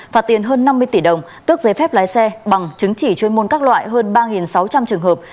phạt tiền hơn năm mươi tỷ đồng tước giấy phép lái xe bằng chứng chỉ chuyên môn các loại hơn ba sáu trăm linh trường hợp